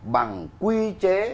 bằng quy chế